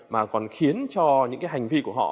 mà còn khiến cho những hành vi của họ